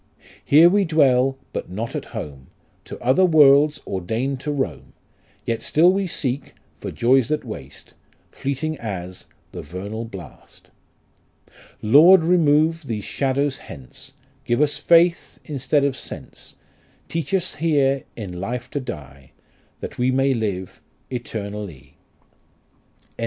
Here we dwell but not at home, To other worlds ordain'd to roam ; Yet still we seek for joys that waste, Fleeting as the vernal blast. Lord, remove these shadows hence, Give us faith instead of sense ; Teach us here in life to die, . That we may live eternally. GOLDSMITH.